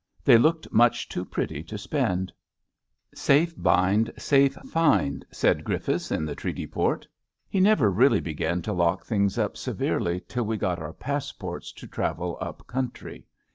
They looked much too pretty to spend. ^^ Safe bind, safe bind, said Griffiths in the ireaty port. He never really began to lock things up severely till we got our passports to travel up country.